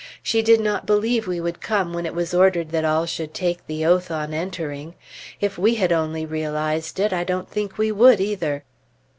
She did not believe we would come when it was ordered that all should take the oath on entering. If we had only realized it I don't think we would, either.